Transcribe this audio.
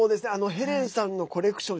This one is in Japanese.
ヘレンさんのコレクション